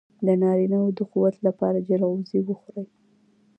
د نارینه وو د قوت لپاره چلغوزي وخورئ